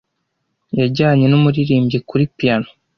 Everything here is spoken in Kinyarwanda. Yajyanye numuririmbyi kuri piyano.